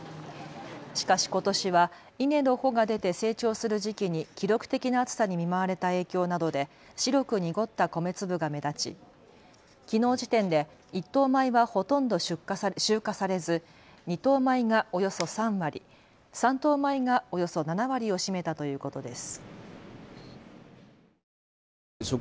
しかしことしは稲の穂が出て成長する時期に記録的な暑さに見舞われた影響などで白く濁った米粒が目立ちきのう時点で１等米はほとんど集荷されず２等米がおよそ３割、３等米がおよそ７割を占めたということです。